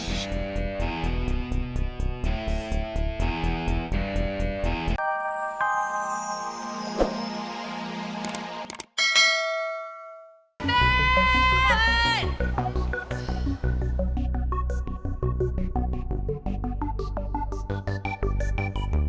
lu abisin semua